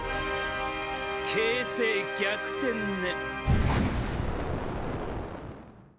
形勢逆転ね。